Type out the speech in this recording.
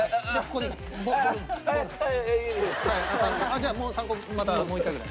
じゃあもう３個またもう１回ぐらい。